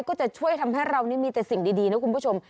ก็จะช่วยทำให้เรานี่มีแต่สิ่งดีนะคุณผู้ชม